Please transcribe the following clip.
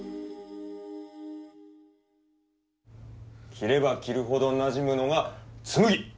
着れば着るほどなじむのが紬！